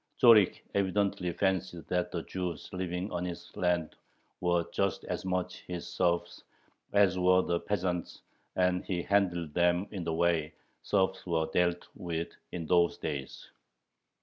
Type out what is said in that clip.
Zorich evidently fancied that the Jews living on his land were just as much his serfs as were the peasants, and he handled them in the way serfs were dealt with in those days.